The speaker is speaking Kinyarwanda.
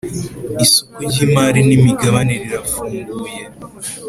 Isoko ry imari n imigabane rirafunguye.